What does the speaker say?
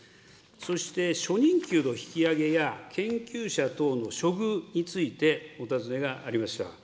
そして初任給の引き上げや研究者等の処遇についてお尋ねがありました。